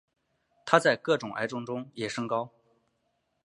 它在各种癌症中也升高。